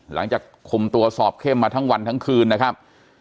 หลังจากคุมตัวสอบเข้มมาทั้งวันทั้งคืนนะครับ